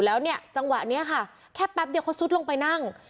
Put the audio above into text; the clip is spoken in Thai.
แล้วเนี่ยจังหวะนี้ค่ะแค่แป๊บเดียวเขาซุดลงไปนั่ง